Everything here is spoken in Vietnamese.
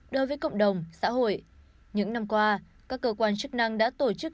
đối với cộng đồng xã hội những năm qua các cơ quan chức năng đã tổ chức